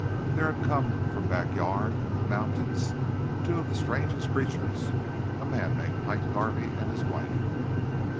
There had come from "back yan'" in the mountains two of the strangest creatures, a man named Pike Garvey and his wife.